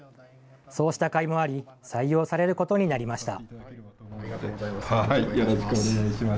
そうしたかいもあり、採用されることになりました。